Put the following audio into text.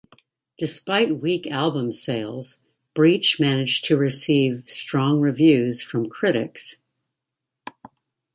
Despite weak album sales, "Breach" managed to receive strong reviews from critics.